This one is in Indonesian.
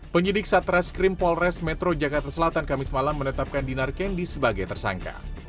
penyidik satreskrim polres metro jakarta selatan kamis malam menetapkan dinar kendi sebagai tersangka